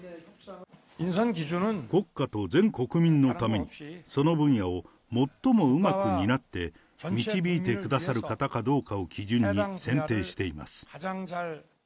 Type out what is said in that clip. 国家と全国民のために、その分野を最もうまく担って、導いてくださる方かどうかを基準に選定しています。